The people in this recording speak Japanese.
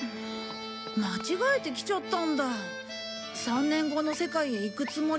間違えて来ちゃったんだ３年後の世界へ行くつもりで。